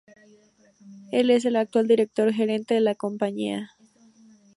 Él es el actual Director Gerente de la compañía.